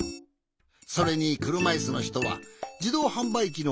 それにくるまいすのひとはじどうはんばいきの